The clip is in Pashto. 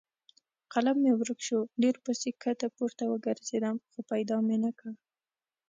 قلم مې ورک شو؛ ډېر پسې کښته پورته وګرځېدم خو پیدا مې نه کړ.